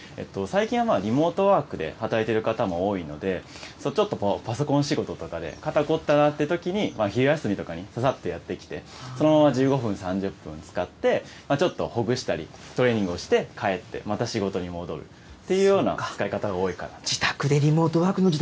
最近は、リモートワークで働いている方も多いので、ちょっとパソコン仕事とかで、肩凝ったなっていうときに、昼休みとかにささっとやって来て、そのまま１５分、３０分使って、ちょっとほぐしたり、トレーニングをして帰って、また仕事に戻るというような自宅でリモートワークの時代